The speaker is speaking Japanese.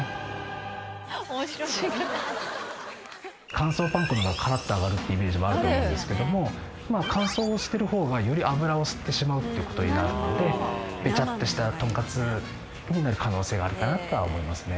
乾燥パン粉の方がカラッと揚がるってイメージもあると思うんですけどもまあ乾燥してる方がより油を吸ってしまうっていう事になるのでベチャッとしたトンカツになる可能性があるかなとは思いますね。